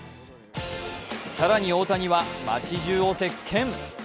更に、大谷は街じゅうを席けん。